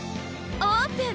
オープン！